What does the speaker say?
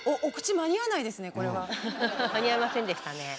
間に合いませんでしたね。